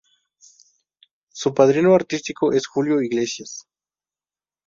Su padrino artístico es Julio Iglesias.